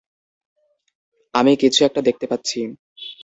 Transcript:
আমি কিছু একটা দেখতে পাচ্ছি।